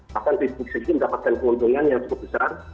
bahkan facebook safety mendapatkan keuntungan yang cukup besar